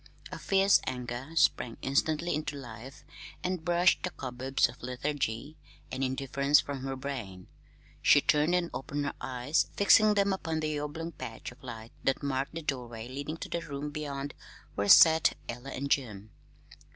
A fierce anger sprang instantly into life and brushed the cobwebs of lethargy and indifference from her brain. She turned and opened her eyes, fixing them upon the oblong patch of light that marked the doorway leading to the room beyond where sat Ella and Jim.